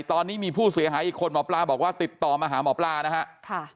ตอนนี้มีผู้เสียหายอีกคนหมอปลาบอกว่าติดต่อมาหาหมอปลานะฮะ